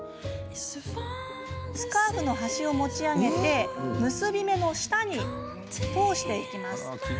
スカーフの端を持ち上げて結び目の下に通していきます。